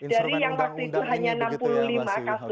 dari yang waktu itu hanya enam puluh lima kasus